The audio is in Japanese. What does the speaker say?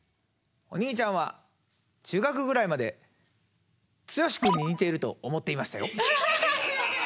お兄ちゃんは中学ぐらいまで剛君に似ていると思っていましたよ。